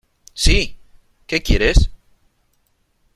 ¡ sí !...¿ qué quieres ?